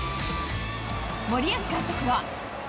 森保監督は。